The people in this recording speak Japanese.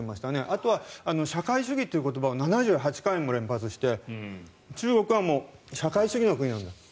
あとは社会主義という言葉を７８回も連発して中国はもう、社会主義の国なんだと。